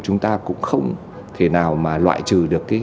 chúng ta cũng không thể nào mà loại trừ được cái